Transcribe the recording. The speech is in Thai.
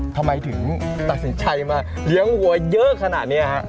ทำไมถึงตัดสินใจมาเลี้ยงวัวเยอะขนาดนี้ฮะ